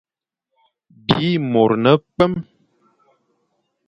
Bî môr ne-kwém.